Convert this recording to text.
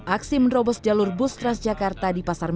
aksi menerobos jalur bus transjakarta di pasar bu